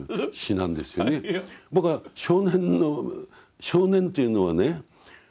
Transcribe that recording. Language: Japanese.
僕は少年の少年っていうのはね